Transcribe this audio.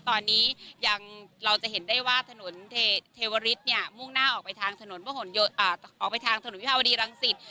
ตอนนี้เราจะเห็นได้ว่าถนนเทวริสมุ่งหน้าออกไปทางถนนวิภาวดีรังศิษย์